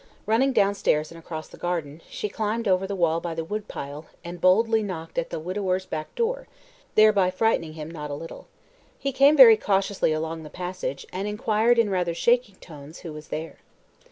Running downstairs and across the garden, she climbed over the wall by the wood pile, and boldly knocked at the widower's back door, thereby frightening him not a little. He came very cautiously along the passage, and inquired in rather shaky tones who was there.